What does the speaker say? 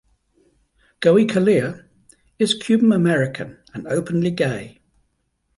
Goicolea is Cuban-American and openly gay.